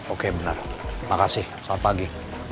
oke benar makasih selamat pagi